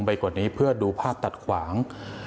ไปกว่านี้เพื่อดูภาพตัดขวาง